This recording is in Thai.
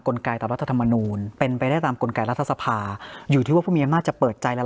กลไกรตามรัฐธรรมนูญเป็นไปได้ตามกลไกรรัฐสภาอยู่ที่ว่าพวกมีน่าจะเปิดใจและ